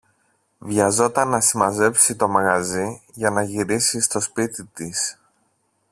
βιαζόταν να συμμαζέψει το μαγαζί για να γυρίσει στο σπίτι της